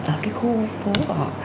ở khu phố của họ